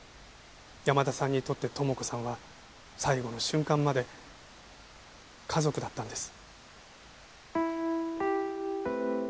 山田さんにとって友子さんは最後の瞬間まで家族だったんです。